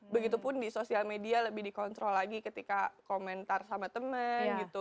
begitupun di sosial media lebih dikontrol lagi ketika komentar sama temen gitu